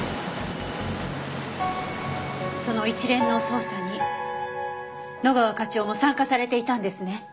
その一連の捜査に野川課長も参加されていたんですね？